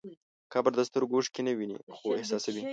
قبر د سترګو اوښکې نه ویني، خو احساسوي.